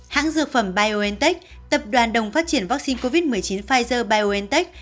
hãng dược phẩm biontech tập đoàn đồng phát triển vaccine covid một mươi chín pfizer biontech